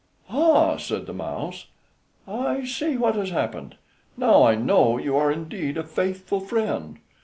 "Ah," said the mouse, "I see what has happened; now I know you are indeed a faithful friend.